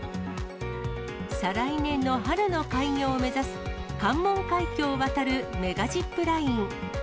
再来年の春の開業を目指す、関門海峡を渡るメガジップライン。